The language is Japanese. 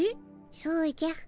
そうじゃ。